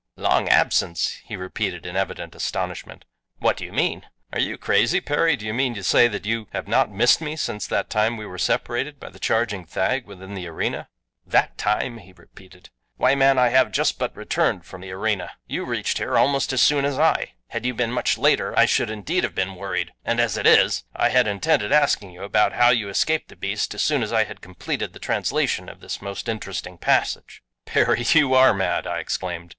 "Long absence!" he repeated in evident astonishment. "What do you mean?" "Are you crazy, Perry? Do you mean to say that you have not missed me since that time we were separated by the charging thag within the arena?" "'That time'," he repeated. "Why man, I have but just returned from the arena! You reached here almost as soon as I. Had you been much later I should indeed have been worried, and as it is I had intended asking you about how you escaped the beast as soon as I had completed the translation of this most interesting passage." "Perry, you ARE mad," I exclaimed.